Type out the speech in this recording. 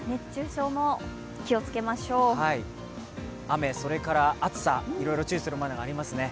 雨、それから暑さ、いろいろ注意するものがありますね。